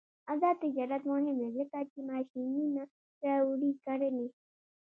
آزاد تجارت مهم دی ځکه چې ماشینونه راوړي کرنې.